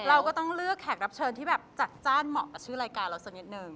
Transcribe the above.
เราก็ต้องเลือกแขกรับเชิญที่แบบจัดจ้านเหมาะกับชื่อรายการเราสักนิดนึง